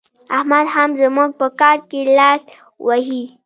احمد هم زموږ په کار کې لاس وهي.